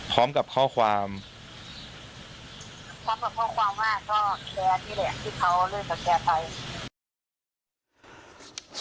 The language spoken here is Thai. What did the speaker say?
พร้อมกับข้อความว่าก็แกนี่แหละที่เขาเลื่อนกับแกไป